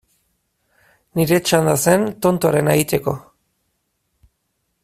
Nire txanda zen tontoarena egiteko.